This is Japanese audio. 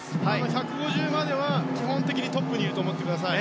１５０までは基本的にトップにいると思ってください。